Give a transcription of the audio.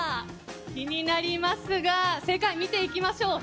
気になりますが正解を見ていきましょう。